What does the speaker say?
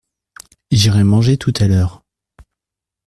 J’irai manger tout à l’heure.